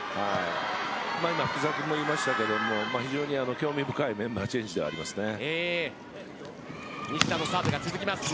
今、福澤君も言いましたが興味深いメンバーチェンジではありますね。